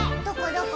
どこ？